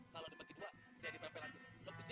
kalau dibagi dua jadi berapa lagi